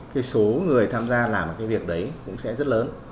cái số người tham gia làm cái việc đấy cũng sẽ rất lớn